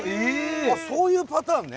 あそういうパターンね。